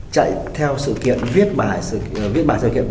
chạy theo sự kiện viết bài sự viết bài sự kiện